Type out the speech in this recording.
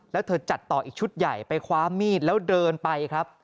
แล้วเธอจัดต่ออีกชุดใหญ่ไปคว้ามีดแล้วเดินไปครับ